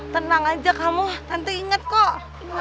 tenang aja kamu nanti inget kok